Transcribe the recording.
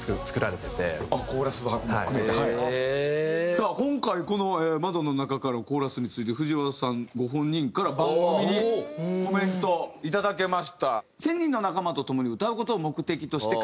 さあ今回この『窓の中から』のコーラスについて藤原さんご本人から番組にコメントいただけました。